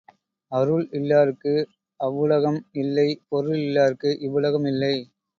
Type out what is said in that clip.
அருள் இல்லார்க்கு அவ்வுலகம் இல்லை பொருள் இல்லார்க்கு இவ்வுலகம் இல்லை.